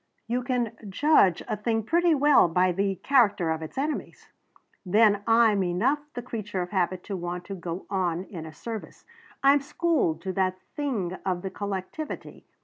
You can judge a thing pretty well by the character of its enemies. Then I'm enough the creature of habit to want to go on in a service; I'm schooled to that thing of the collectivity.